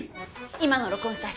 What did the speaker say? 今の録音した人？